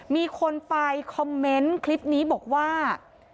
มีคนไปคอมเมนต์คลิปนี้บอกว่า